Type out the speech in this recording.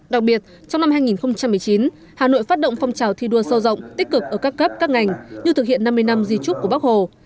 đặc biệt trong năm hai nghìn một mươi chín hà nội phát động phong trào thi đua sâu rộng tích cực ở các cấp các ngành như thực hiện năm mươi năm di trúc của bắc hồ